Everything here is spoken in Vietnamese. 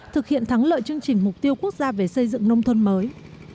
thực hiện thắng lợi chương trình mục tiêu quốc gia về xây dựng nông thôn mới